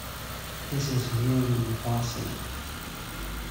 This is merely in passing.